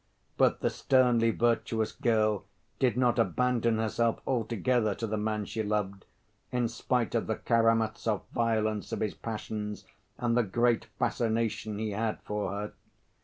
But the sternly virtuous girl did not abandon herself altogether to the man she loved, in spite of the Karamazov violence of his passions and the great fascination he had for her.